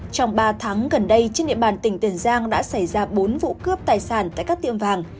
trong ba tháng gần đây trên địa bàn tỉnh tiền giang đã xảy ra bốn vụ cướp tài sản tại các tiệm vàng